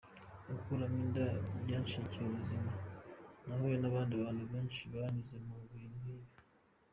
Gukuramo inda byanyiciye ubuzima, nahuye n’abandi bantu benshi banyuze mu bintu nk’ibi.